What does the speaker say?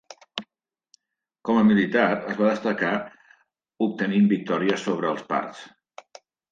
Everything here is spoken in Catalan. Com a militar es va destacar obtenint victòries sobre els parts.